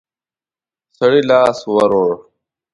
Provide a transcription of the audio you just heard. سړي لاس ور ووړ.